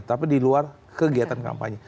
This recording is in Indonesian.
tapi di luar kegiatan kampanye